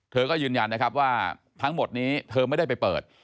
เธอก็ยืนยันนะครับว่าทั้งหมดนี้เธอไม่ได้ไปเปิด